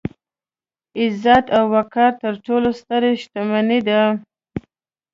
عزت او وقار تر ټولو ستره شتمني ده.